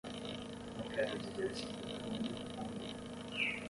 Não quero dizer se ainda fumo ou não.